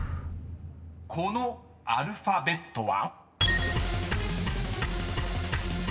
［このアルファベットは？］